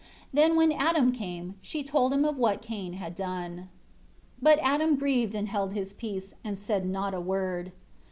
14 Then when Adam came, she told him of what Cain had done. 15 But Adam grieved and held his peace, and said not a word.